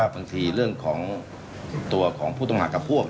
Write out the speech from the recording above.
บางทีเรื่องของตัวของผู้ต้องหากับพวก